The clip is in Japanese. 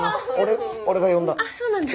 俺が呼んだ。